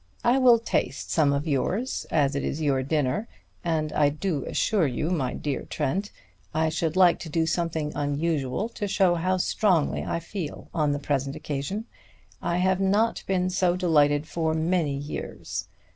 I will taste some of yours, as it is your dinner, and I do assure you, my dear Trent, I should like to do something unusual to show how strongly I feel on the present occasion. I have not been so delighted for many years.